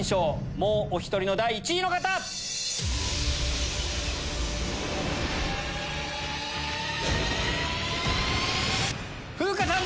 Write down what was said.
もうお１人の第１位風花さん！